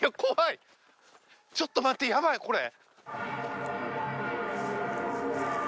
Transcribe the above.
ちょっと待ってやばいこれ。